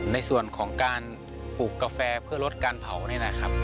ในส่วนของการปลูกกาแฟเพื่อลดการเผานี่นะครับ